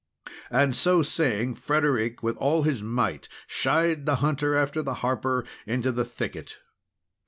And so saying, Frederic, with all his might, shied the hunter after the harper into the thicket.